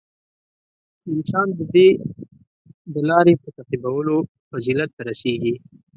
• انسان د دې د لارې په تعقیبولو فضیلت ته رسېږي.